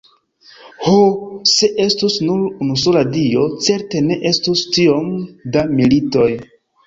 Ho, se estus nur unusola Dio, certe ne estus tiom da militoj.